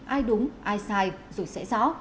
ai đúng ai sai rồi sẽ rõ